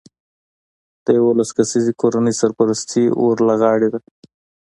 د یولس کسیزې کورنۍ سرپرستي ور له غاړې ده